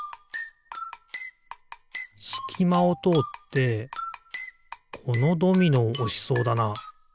すきまをとおってこのドミノをおしそうだな。